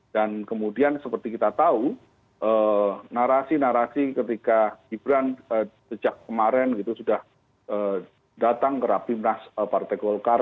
dan kemudian seperti kita tahu narasi narasi ketika gibran sejak kemarin gitu sudah datang ke rapimnas partai golkar